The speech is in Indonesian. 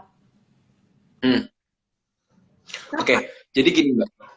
hmm oke jadi gini mbak ketika kita ngerasa bahwa ini sudah berdampak kepada kehidupan kita sehari hari